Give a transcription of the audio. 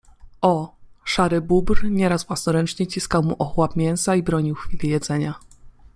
O, Szary Bóbr nieraz własnoręcznie ciskał mu ochłap mięsa i bronił chwili jedzenia